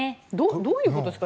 どういうことですか？